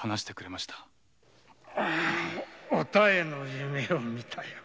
お妙の夢を見たよ。